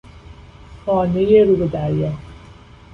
خانهی رو به دریا